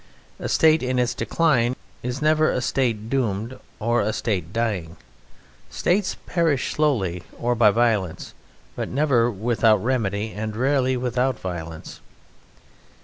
A State in its decline is never a State doomed or a State dying. States perish slowly or by violence, but never without remedy and rarely without violence.